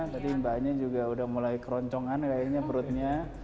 tadi mbak anin juga sudah mulai keroncongan kayaknya perutnya